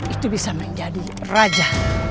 itu bisa menjadi raja